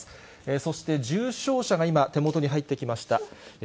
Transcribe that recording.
そして、重症者が今、手元に入ってきました。